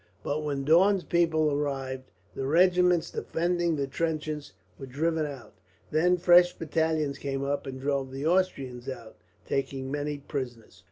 But when Daun's people arrived the regiments defending the trenches were driven out. Then fresh battalions came up and drove the Austrians out, taking many prisoners.